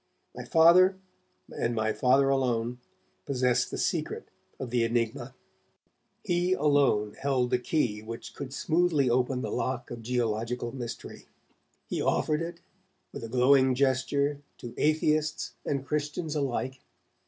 My Father, and my Father alone, possessed the secret of the enigma; he alone held the key which could smoothly open the lock of geological mystery. He offered it, with a glowing gesture, to atheists and Christians alike.